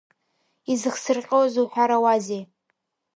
Изыхсырҟьозеи уҳәарауазеи!